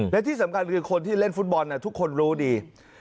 และที่สำคัญคือคนที่เล่นฟุตบอลทุกคนรู้ดี